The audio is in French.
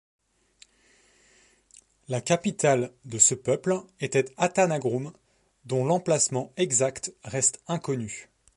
La capitale de ce peuple était Atanagrum, dont l'emplacement exact reste inconnu.